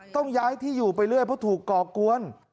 ต้องย้ายที่อยู่ไปเรื่อยเพราะถูกก่อกวน